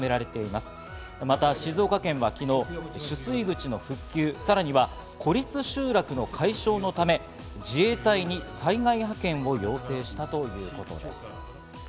また静岡県は昨日、取水口の復旧さらには孤立集落の解消のため自衛隊に災害派遣を要請したということです。